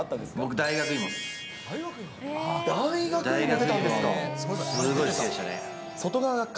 大学芋出たんですか。